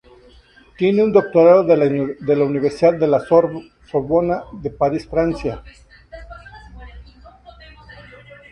Tiene un doctorado de la Universidad de la Sorbona de París, Francia.